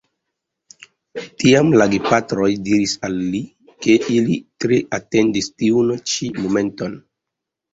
Tiam la gepatroj diris al li, ke ili tre atendis tiun ĉi momenton.